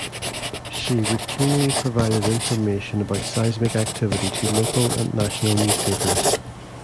She routinely provided information about seismic activity to local and national newspapers.